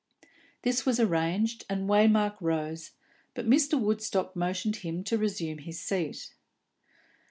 This was arranged, and Waymark rose, but Mr. Woodstock motioned to him to resume his seat.